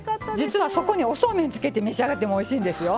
実はそこにおそうめんつけて召し上がってもおいしいんですよ。